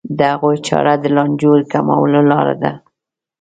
د هغوی چاره د لانجو کمولو لاره ده.